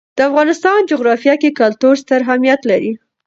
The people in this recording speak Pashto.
د افغانستان جغرافیه کې کلتور ستر اهمیت لري.